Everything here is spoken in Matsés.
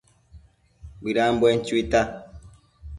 Bëdambuen chuita